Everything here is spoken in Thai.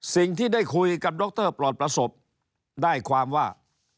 สิ่งที่ได้คุยกับดรปลอดประสบได้ความว่า